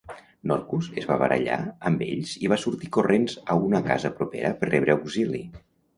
Norkus es va barallar amb ells i va sortir corrents a una casa propera per rebre auxili.